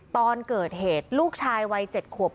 ตอนเกิดเหตุลูกชายวัย๗ขวบ